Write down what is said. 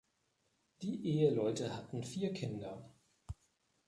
Die Eheleute hatten vier Kinder.